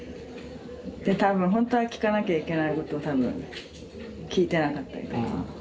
多分ほんとは聞かなきゃいけないことを多分聞いてなかったりとか。